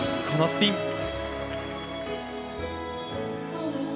このスピン。